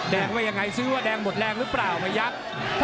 แดงว่ายังไงซื้อว่าแดงหมดแรงหรือเปล่าพยักษ์